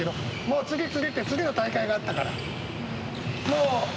もう次次って次の大会があったから。